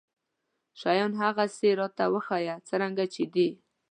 شيان هغسې راته وښايه څرنګه چې دي.